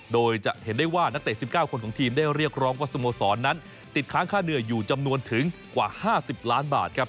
โดยจะเห็นได้ว่านักเตะ๑๙คนของทีมได้เรียกร้องว่าสโมสรนั้นติดค้างค่าเหนื่อยอยู่จำนวนถึงกว่า๕๐ล้านบาทครับ